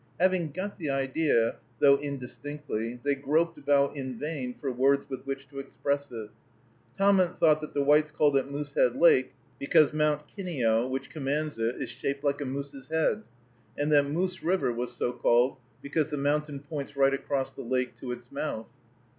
Having got the idea, though indistinctly, they groped about in vain for words with which to express it. Tahmunt thought that the whites called it Moosehead Lake, because Mount Kineo, which commands it, is shaped like a moose's head, and that Moose River was so called "because the mountain points right across the lake to its mouth."